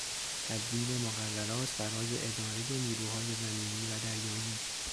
تدوین مقررات برای ادارهی نیروهای زمینی و دریایی